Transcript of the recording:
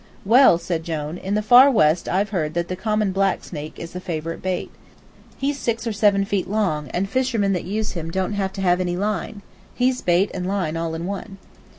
"Well," said Jone, "in the far West I've heard that the common black snake is the favorite bait. He's six or seven feet long, and fishermen that use him don't have to have any line. He's bait and line all in one."